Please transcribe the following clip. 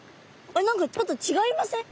何かちょっとちがいません？